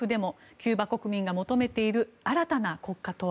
キューバ国民が求めている新たな国家とは。